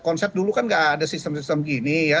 konser dulu kan tidak ada sistem sistem begini ya